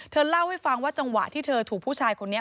เล่าให้ฟังว่าจังหวะที่เธอถูกผู้ชายคนนี้